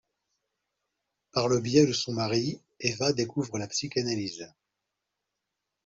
Par le biais de son mari, Eva découvre la psychanalyse.